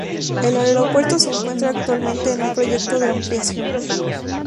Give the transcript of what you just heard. El aeropuerto se encuentra actualmente en un proyecto de ampliación.